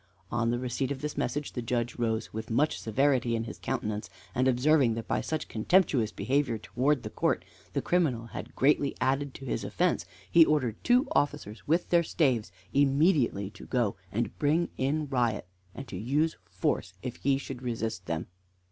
On the receipt of this message the Judge rose with much severity in his countenance, and observing that by such contemptuous behavior towards the court the criminal had greatly added to his offence, he ordered two officers with their staves immediately to go and bring in Riot, and to use force if he should resist them.